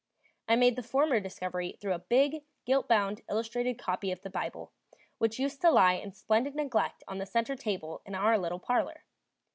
I made the former discovery through a big, gilt bound, illustrated copy of the Bible, which used to lie in splendid neglect on the center table in our little parlor.